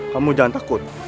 kamu jangan takut